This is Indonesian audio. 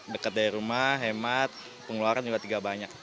dekat dari rumah hemat pengeluaran juga tidak banyak